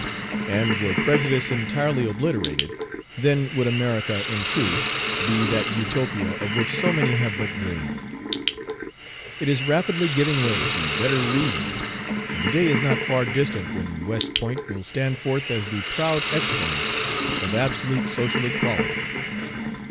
And were prejudice entirely obliterated, then would America in truth be that Utopia of which so many have but dreamed. It is rapidly giving way to better reason, and the day is not far distant when West Point will stand forth as the proud exponent of absolute social equality.